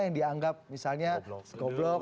yang dianggap misalnya goblok